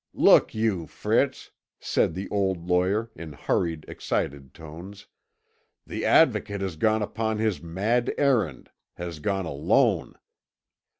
"Look you, Fritz," said the old lawyer, in hurried, excited tones, "the Advocate has gone upon his mad errand has gone alone.